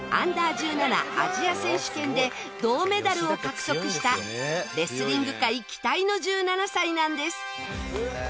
１７アジア選手権で銅メダルを獲得したレスリング界期待の１７歳なんです。